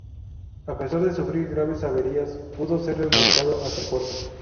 A pesar de sufrir graves averías, pudo ser remolcado hasta el puerto.